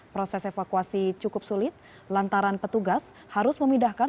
proses evakuasi cukup sulit lantaran petugas harus memindahkan